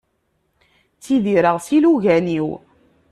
Ttidireɣ s yilugan-iw.